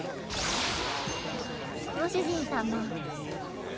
ごご主人様。